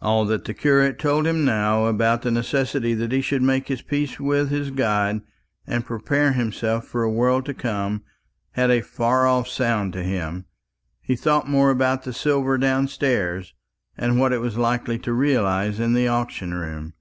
All that the curate told him now about the necessity that he should make his peace with his God, and prepare himself for a world to come, had a far off sound to him. He thought more about the silver downstairs, and what it was likely to realize in the auction room.